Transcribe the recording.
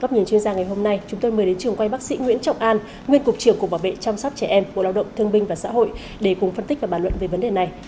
nên ra ngày hôm nay chúng tôi mời đến trường quay bác sĩ nguyễn trọng an nguyên cục trưởng cục bảo vệ chăm sóc trẻ em của lào động thương binh và xã hội để cùng phân tích và bàn luận về vấn đề này